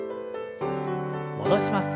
戻します。